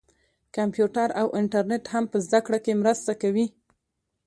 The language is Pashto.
کمپیوټر او انټرنیټ هم په زده کړه کې مرسته کوي.